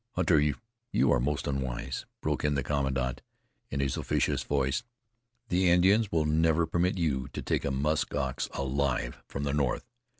"Hunter, you are most unwise," broke in the commandant, in his officious voice. "The Indians will never permit you to take a musk ox alive from the north.